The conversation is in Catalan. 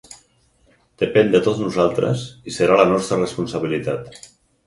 Depèn de tots nosaltres i serà la nostra responsabilitat.